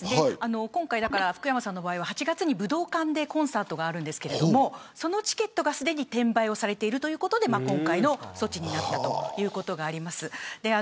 福山さんの場合は８月に武道館でコンサートがありますがそのチケットがすでに転売されているということで今回の措置になったということです。